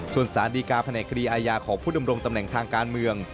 ส่วนสารดีการแผนกคดีอาญาของผู้ดำรงตำแหน่งทางการเมือง